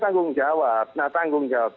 tanggung jawab nah tanggung jawab